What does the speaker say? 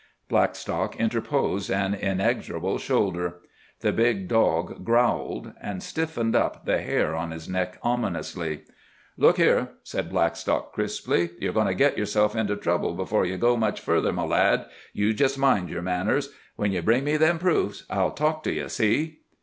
Blackstock interposed an inexorable shoulder. The big dog growled, and stiffened up the hair on his neck ominously. "Look here," said Blackstock crisply, "you're goin' to git yourself into trouble before you go much further, my lad. You jest mind your manners. When you bring me them proofs, I'll talk to you, see!"